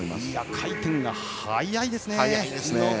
回転が速いですね。